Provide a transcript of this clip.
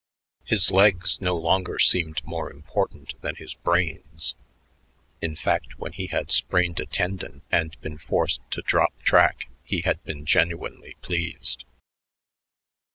His legs no longer seemed more important than his brains; in fact, when he had sprained a tendon and been forced to drop track, he had been genuinely pleased.